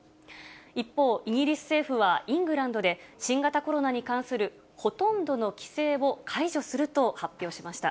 一方、イギリス政府はイングランドで新型コロナに関するほとんどの規制を解除すると発表しました。